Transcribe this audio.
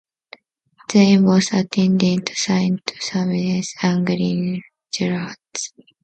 They both attended Saint Saviour's Anglican Church.